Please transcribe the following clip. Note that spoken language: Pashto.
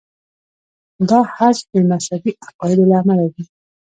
دا حذف د مذهبي عقایدو له امله وي.